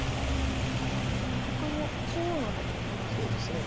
ほかの中央の辺りもまだ地がありますね。